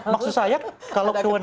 maksud saya kalau kewenangan